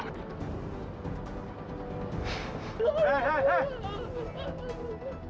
mereka pasti orang suruhan